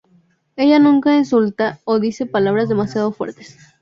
Ella nunca insulta o dice palabras demasiado fuertes.